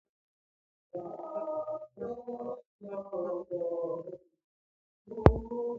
Unaware of who he is, Jang-geum saves him upon being shot at.